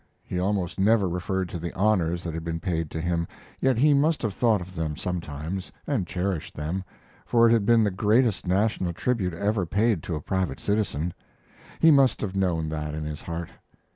He almost never referred to the honors that had been paid to him, yet he must have thought of them sometimes, and cherished them, for it had been the greatest national tribute ever paid to a private citizen; he must have known that in his heart.